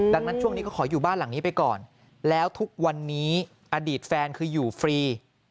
ดังนั้นช่วงนี้ก็ขออยู่บ้านหลังนี้ไปก่อนแล้วทุกวันนี้อดีตแฟนคืออยู่ฟรี